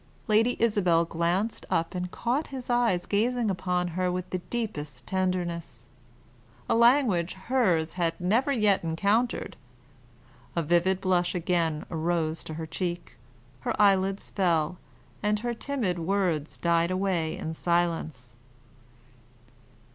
Lady Isabel glanced up and caught his eyes gazing upon her with the deepest tenderness a language hers had never yet encountered. A vivid blush again arose to her cheek, her eyelids fell, and her timid words died away in silence.